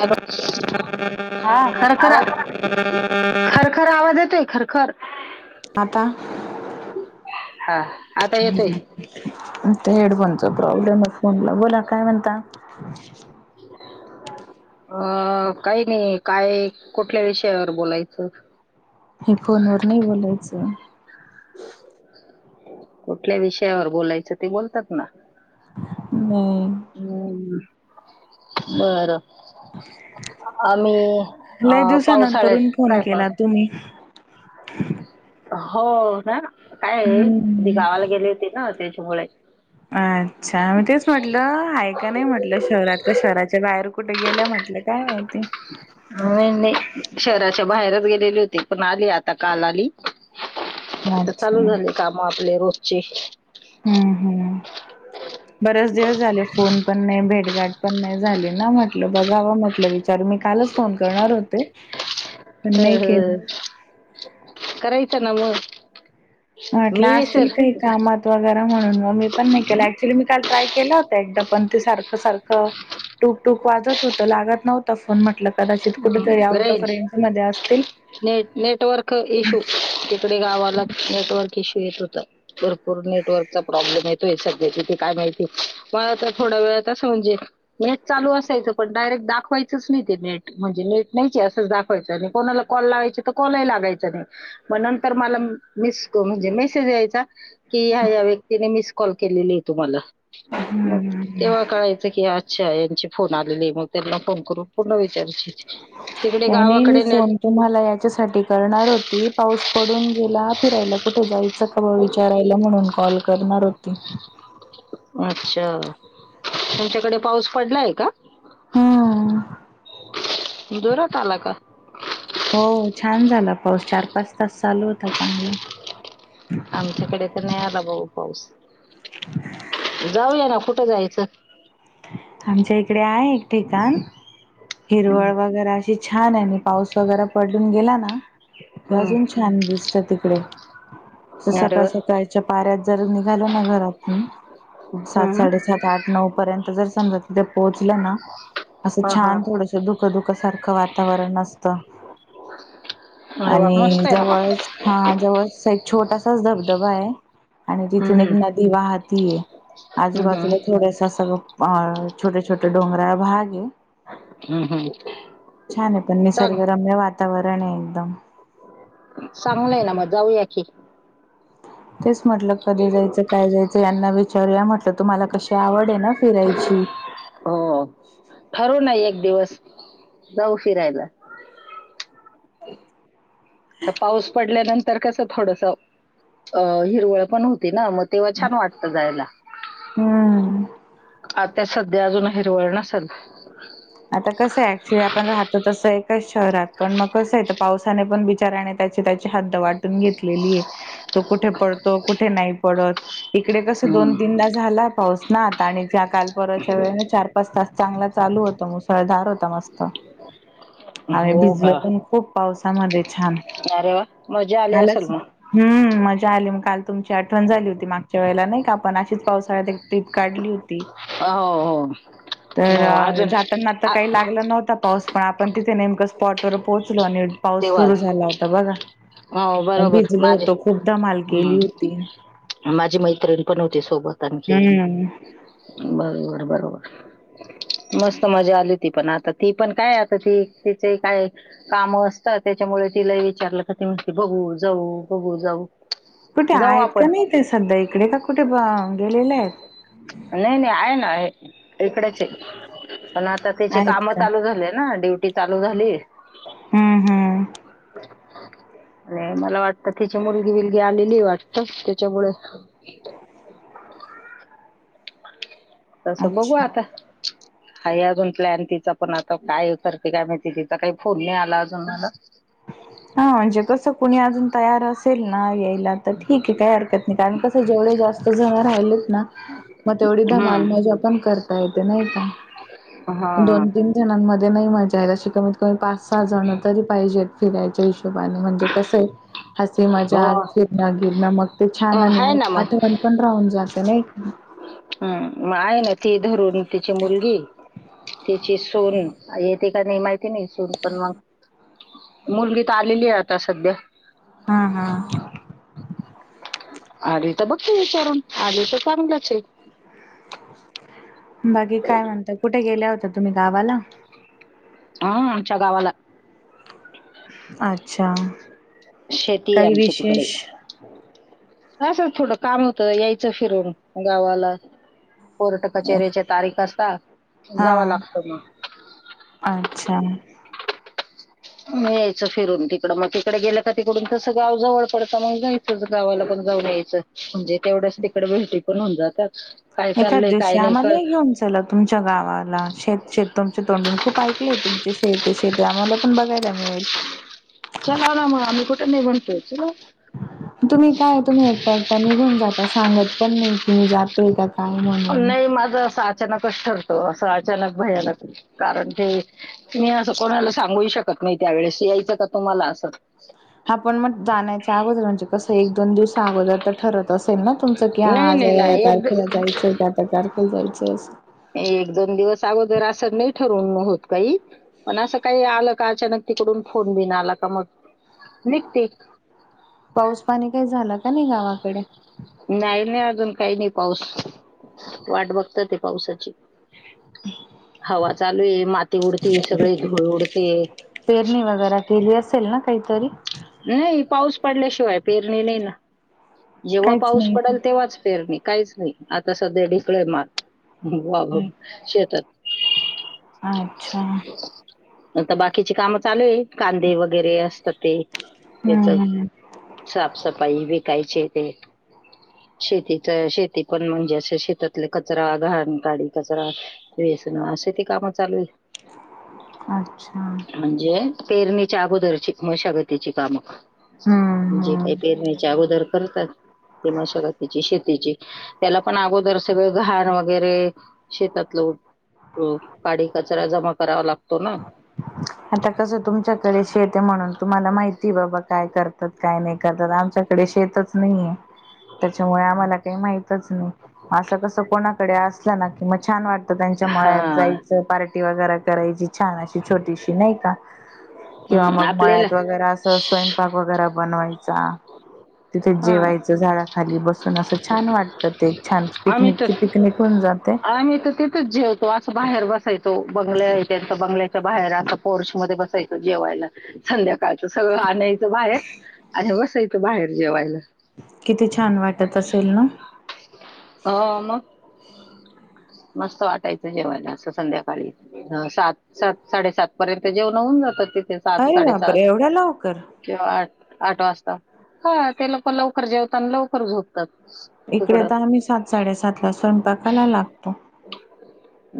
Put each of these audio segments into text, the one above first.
Hello हा खरखर आवाज खरखर आवाज येतोय खरखर आता हा आता येतोय हेडफोनचा प्रॉब्लेम आहे फोनला बोला काय म्हणता? ह अ काही नाही काय कुठल्या विषयावर बोलायचं हे फोन वर नाही बोलायचं कुठल्या विषयावर बोलायचं ते बोलतात ना? नाही हम्म बरं आम्ही अ लय पावसाळ्यात दिवसानंतरून फोन काय केला पावसा तुम्ही हो ना काय आहे ना मी हम्म गावाला गेले होते ना त्याच्यामुळे त्यामुळे अच्छा मी तेच म्हटलं आहे की नाही म्हटलं शहरात का शहराच्या बाहेर कुठे गेला म्हटल्या नाही शहराच्या बाहेरच गे ली हो पण आली आ काल आली आता अच्छा चालू झा काम आपले रज ज हम्म हम्म ह बरेच दिवस झाले फोन पण नाही भेटघाट पण नाही झाली ना म्हटलं बघावा म्हटलं विचार मी काय फोन कर होते पण ह नाही केला ह करायचं ना मग म्हटलं मी असतील विसर काही कामात वगैरे म्हणून म मी पण नाही केलं ऍक्च्युली मी काल ट्राय केला होता एकदा पण ते सारखं सारखं टूक टूक वाजत होतं लागत नव्हता फोन म्हटल कदाचित कुठेतरी आउट ऑफ रेंज मध्ये असतील नेट नेटवर्क इशू तिकडे गावाला नेटवर्क भपूर नेटव प्रब्लेम येतयध त का मा आ व म्हणजे नेट लू असायचं पणडयरेक्ट दाखवायच नाही ते नेट म्हणजे नेट नाही अस दाखवायचं कोणाला कल लावाय तर कॉल लागयच नाही मग नंतर मला म्हणजे मेसेज यायचा की ह या व्यक्तीने मिस कॉल केलेली आहे तुम्हाला मग तेव्हा कळायचं की अच्छा यांची फोन आलेली मग त्यांना फोन करू पर्ण का नाही मी नेट फोन तुम्हाला याच्यासाठी करणार होती पाऊस पडून गेला फिरायला कुठे जायच खर विचारायला म्हणून कॉल करणार होती त्यांमच्याकडे पाऊस पडलाय का जोरात आला का हो छान झाला पाऊस चार पाच तस चालू होता चांगला आमच्याकडे तर नाही आला भाऊ पाऊस जाऊया ना कुठं जायचं आमच्या इकडे आहे एक ठिकाण हम्म. हिरवळ वगैरे अशी छान आहे आणि पाऊस वगैरे पडून गेला ना क अजून हम्म. छान दिसत तिकडे अरे सकाळ वा सकाळच्या पाऱ्यात जर ल घ सात सा हम्म. सात आठ नऊ पर् समजा तिथे पोहोचलं ना हा हा दुख दुख सारखं वातावरण असत अरे वा आणि मस्त आहे ना मग जवळच हा जवळ एक छोटासाच धबधबा आहे आणि तिथून हम्म, एक हम्म. नदी वाहतीय हम्म, हम्म. आजूबाजूला थोडस सगळं अ छोटे छोटे डोंगराळा भाग आहे हम्म, हम्म. छान आहे पण चांग निसर्गरम्य वातावरण आहे एकदम सांगलंय ना मग जाऊया की तेच म्हटलं कधी जायचं काय जायचं यांना विचारू या म्हटलं तुम्हाला कशी आवड आहे ना फिरायची. हो ठरू ना एक दिवस जाऊ फिरयला तर पाऊस पड ल्यानंतर कसं थोडस अ हिरवळ पण होती ना मग तेव्हा छान वाटतं जायला हम्म ता सध्या अजून हिरवळ नसेल आता कसं आहे ऍक्च्युली आपण राहतो तसं शहरात पण मग कसंय त पावसाने पण बिचाऱ्याने त्याची त्याची हद्द वाटून घेतलेलीये, तो कुठे पडतो, कुठे नाही पडत इकडे कस दोन हम्म. तीनदा झाला पाऊस ना आणि त्या काल परर्वाच्या वेळेना चार पाच तास चांगला चालू होत मुसळधार होता मस्त आम्ही हो भिजलो का पण खूप पावसामध्ये छान अरे वा मजा आली असेल झालच मग हम्म मजा आली मग काल तुमची आठवण झाली होती मागच्या वेळेला नाही का आपण अशीच पावसाळ्यात एक ट्रीप काढली होती. हो हो हो अजून त्यांना त आ- काही लागला नव्हता पाऊस पण आपण तिथे नेमकं स्पॉटवर पोहोच आणि पाऊस तेव्हा सुरू झाला होता बघा. हो बरोबर भिजलो माझे होतो खूप धमाल केली हम्म होती. माझी मैत्रिण पण होती सोबत. आणखी हम्म. बरोबर बरोबर. मस्त मजा आली ती पण आता ती पण काय आता ती तिचे काय काम असतात. त्याच्यामुळे तिलाही विचारलं तर ती म्हणते बघू जाऊ बघू जाऊ. कुठे जाऊ आहेत का आपण नाही ते सध्या इकडे का कुठे बा गेलेल्यायेत. नाही नाही आहे ना आहे. इकडेच ए पण आता तिची आहेत काम का? चालू झाले ना ड्युटी चालू झाली. हम्म हम्म. नाही मला वाटत तिची मुलगी बिलगी आलेलीये वाटत त्याच्यामुळे [inaudible] तसं बघू अच्छा. आता. आहे अजून प्लॅन तिचा पण आता काय करते काय माहिती तिचा काही फोन नाही आला अजून मला. हा म्हणजे कस कुणी अजून तयार असेल ना या यला ठीक आहे काही हरकत नाही कारण कस जेवढं जास्त जण राहिलेत ना मग तेवढी हम्म धमाल मजा पण करता येते नाही का? हा दोन तीन जणांमध्ये नाही मजा येत अशी कमीत कमी पाच सहा जण तरी पाहिजेत. त्याच्या हिशोबाने म्हणजे कसंये हसी, मजाक, अं, फिरण, गिरणं मग ते छान अं, आणि आहे ना मग आठवण पण राहून जाते नाही का? हम्म मग आहे ना ती धरून तिची मुलगी तिची सुन येते की नाही माहित नाही सुन मग मुलगी तर आलेलीये आता सध्या हा हा. आली तर बघतेय विचारून आली तर चांगलंचये. बाकी काय म्हणता? कुठे गेल्या होत्या तुम्ही गावाला? हम्म आमच्या गावाला. अच्छा. शेतीये काही आमची तिकडे. विशेष असं थोडं काम होतं यायचं फिरून गावाला. कोर्ट कचेरीच्या तारीख असता हा जावा लागतो मग. अच्छा. मग यायचं फिरून तिकडं मग तिकडे गेलं का तिकडून तसं गाव जवळ पडतं मग जाय च गावाला पण जाऊन यायचं म्हणजे तेवढ्याच तिकडे भेटी पण होऊ जातात. काय एखादं चाललंय काय दिवशी नाही आम्हालाही कळत घेऊन चला तुमच्या गावाला शेत शेत तुमच्या तोंडून खूप ऐकलंय. तुमची शेत ये शेत ये आम्हाला पण बघायला मिळेल. चला ना मग आम्ही कुठे नाही म्हणतोय चला. तुम्ही काय तुम्ही एकट्या एकट्या निघून जाता सांगत पण नाही कि मी जाते का काय म्हणून. हे माझं सास अचानकच ठरत असं अचानक भयानक कारण ते तुम्ही असं कोणाला सांगूही शकत नाही त्यावेेळेस यायचं का तुम्हाला? असं आपण मग जाण्याच्या अगोदर म्हणजे कसं एक दोन दिवस अगोदर तर ठरत असेल ना तुमचं कि हा नाही आज नाही या-या नाही एक तारखेला जायचंय का त्या तारखेला जायचंय असं. एक दोन दिवस अगोदर असं नाही ठरून होत काही पण असं काही आलं का अचानक तिकडून फोन बीन आला का मग निघते. पाऊस पाणी काही झालं का नाही गावाकडं? नाही नाही अजून काही नाही पाऊस वाट बघताते पावसाची. हवा चालू आहे मात ती उडते सगळे धूळ उडते कायतरी नाहीय पाऊस पडले शिय पेरणी नाहीई ना जेव्हा काहीच पाऊस नाही पडेल का तेव्हाच फेरणे काहीच नाही आता सध्या ढिकळ मल वाघ शेतात अच्छा आता बाकीची काम चालू आहे कांदे वगैरे असतात ते त्याच हम्म हम्म साफसफाई विकायची ते शेतीच शेती पण म्हणजे अस शेतातले कचरा घाण काडी कचरा ते ेती काम चालू आहे [unintelligible] अच्छा म्हणजे पेरणीच्या अगोदरची मशागतीची हम्म कामं जे हम्म काय पेरण्याचे अगोदर करतात ते मशागतीची शेतीची त्याला पण अगोदर सगळं घाण वगैरे शेतातलंठ हो काडी कचरा जमा करावा लागतो ना आता कस तुमच्याकडेशी शेत आहे म्हणून तुम्हाला माहित ती बाबा काय करतात काय नाही करतात आमच्याकडे शेतच नाहीेया ह [unintelligible] त्याच्यामुळे आम्हाला काही माहीतच नाही असं कसं कोणाकडे असलं ना मग छान वाटत त्यांच्या मळ्यात हा. जायच पार्टी वगैर करायची छान अशी छोटीशी नाही का किंवा हम्म. मग आपल्याला मळ्यात वगैरे असं स्वयंपाक वगैरे बनवायचा तिथे हा. जेवायच झाड खाली बसून अस छान वाटत एक [unintelligible] छान आम्ही तर पिकनिकची पिकनिक होन जाते तो अस बाहेर बसायचं बंगल्या तेचा बंगल्या बाहेर अस फोर्स मध्ये बसायचं जेवायला संध्याकाळच सगळं आणायचं इथं बाहेर आणि बसायचं बाहेर जेवायला किती छान वाटत असेल ना हा मग मस्त वाटायचं जेवायला असं संध्याकाळी सात सात साडेसात पर्यंत जेवण होऊन जातात ति सात अरे साडेसात बापरे एवढ्या लवकर किंवा आठ आठ वाजता हा ते लोक लवकर जेवतात आणि लवकरच झोप इकडे तर आम्ही सात साडेसात ला स्वयंपाकाला लागतो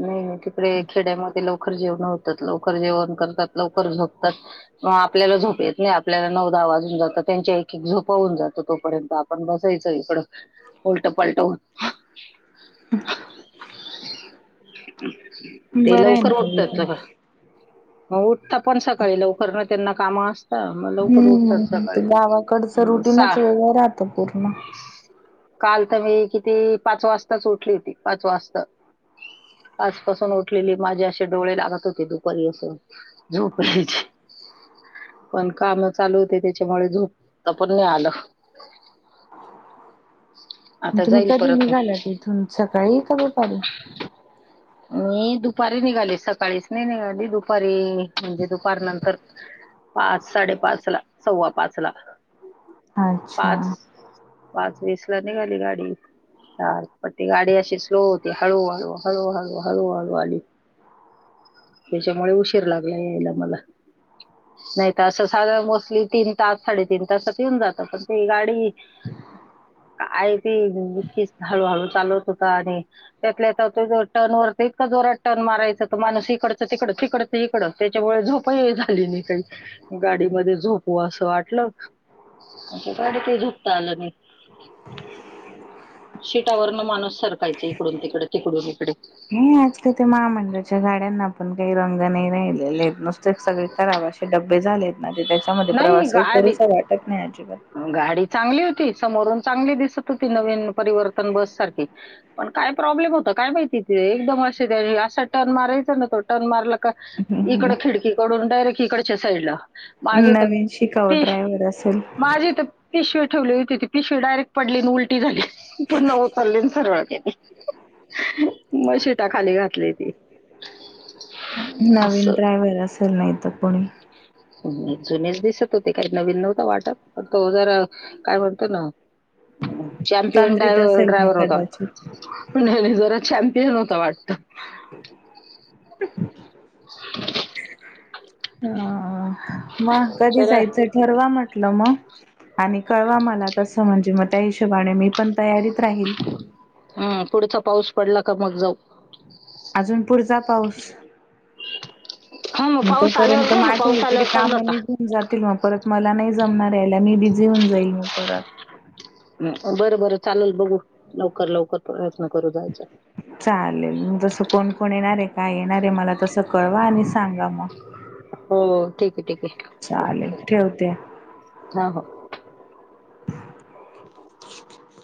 नाही नाही तिकडे खेड्यामधील लवकर जेवणा होतात लवकर जेवण करतात लवकर झोपतात आपल्याला झोप येत नाही आपल्याला नवर दहा वाजून जात त्यां एक एक झोपवून जात तोपर्यंत आपण बसायचं इकड उलट पलट हून [unintelligible] ते बरं आहे लवकर ना उठतात उलट. जरा मग उठता आपण सकाळी लवकर न त्यांना काम असत ह मग लवकर उठतात हम्म ते गावाकडचं सकाळी सहा रुटीनच वेगळं राहतं पूर्ण. काल तर मी किती पाच वाजताच उठली होती पाच वाजता आजपासून उठलेली माझे असे डोळे लागत होते दुपारी असून झोपयची पण काम चालू होते त्याच्यामुळे झोपत पण नाही आलं हो [unintelligible] तुम्ही कधी निघाला तिथून सकाळी का दुपारी... मी दुपारी निघाले सकाळीच नाही निघाली दुपारी म्हणजे दुपार नंतर.... पाच साडेपाच ला सव्वा पाच ला... अच्छा... पाच पाच वीस ला निघाली गाडी.. चार पण ते गाडी अशी स्लो होती. हळूहळू हळूहळू हळूहळू आली. त्याच्यामुळे उशीर लागला यायला मला... नाहीत असं साध मोस्टली तीन तास साडेतीन तासात येऊन जात पण ते गाडी..... [unintelligible] आहे ती इकीच हळू हळू चालवत होता आणि त्यातल्या आो टर्न वरती का... न मारयचं त माणस इकडच तिकड तकडच इकडच त्याच्यामुळे झोपही झाली नाही काही.... गाडी मध्ये झोपव असं वाटलं आ गाडी ते झोपता आलं नाही. शीटावर न माणूस सरकायचा इकडून तिकड तिकडून इकडे..... हे आजका ते महामंडळाच्या गाड्यांना.... पण काही रंग नाही राहिलेले आहेत नुसते सगळे कराब असे डबे झाले आहेत ना ते त्याच्यामध्ये नाही प्रवास.... गाडी रस वाटत नाही अजिबात... गाडी... समोरून चांगली दिसत होती नवीन परिवर्तन बस सारखी पण काय प्रॉब्लेम होत काय माहिती... एकदम अस असा टर्न मारायचं ना तो.... टर्न मारला का इकड खिडकीकडून डायरेक्ट इकडच्या साईडला.... माझी तर नवीन शिकाऊ पि ड्रायव्हर असेल, माझी तर पिशव... ठेवली होती ती पिशवी डायरेक्ट पडली उलटी झाली पूर्ण उचरले सरळ के..... मग शिटा खाली घातली ती.... नवीन असं ड्रायव्हर असेल नाही तर कोणी... जुनेच दिसत होते. काही नवीन नव्हता वाटत पण तो जरा काय म्हणतो ना. चॅम्पियन तंद्रीत असेल मग ड्रायव्हर होतात कदाचित. पण जरा... चॅम्पियन होता वाटतं. [unintelligible] [unintelligible] ह मग कधी चला जायचं ठरवा म्हटलं मग... आणि कळवा मला तसं म्हणजे मग त्या हिशोबाने मी पण तयारीत राहील. हम पुढचा पाऊस पडला का मग जाऊ... अजून पुढचा पाऊस... हा मग पाऊस आल्यावर तोपर्यंत जाऊ ना माझ्या पाऊस इकडे आल्यावर चांगला काम होता निघून जातील म.. मला नाही जमणार याला मी बिझी होऊन जाईन म परत... बरं बरं चालेल बघू लवकर लवकर प्रयत्न करू जायचा... चालेल तसं कोण कोण येणारे काय येणार आहे मला तसं कळवा आणि सांगा मग... हो... ठीक आहे ठीक आहे चालेल ओके ठेवते... हा हो [unintelligible]